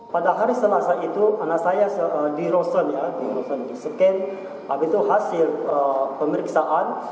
pada hari selasa itu anak saya diroson di scan habis itu hasil pemeriksaan